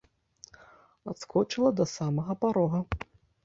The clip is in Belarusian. Адскочыла да самага парога.